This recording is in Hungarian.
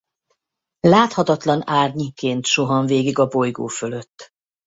Láthatatlan árnyként suhan végig a bolygó fölött.